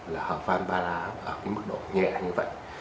là hở vang ba lá ở mức độ nhẹ như vậy